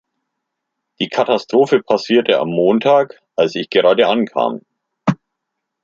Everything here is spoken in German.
Die Katastrophe passierte am Montag, als ich gerade ankam.